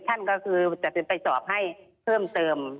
ท่านก็คือจะไปสอบให้เพิ่มเติม